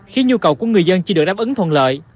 khiến nhu cầu của người dân chưa được đáp ứng thuận lợi